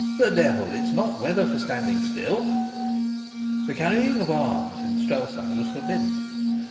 The devil, it's not weather for standing still!" The carrying of arms in Strelsau was forbidden.